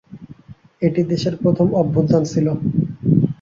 এটি দেশের প্রথম অভ্যুত্থান ছিল।